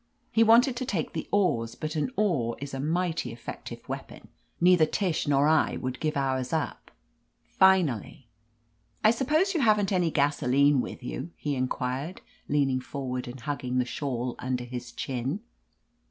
He wanted to take the oars, but an oar is a mighty effective weapon: neither Tish nor I would give ours up. Finally — "I suppose you haven't any gasoline with you?" he inquired, leaning forward and hug ging the shawl under his chin.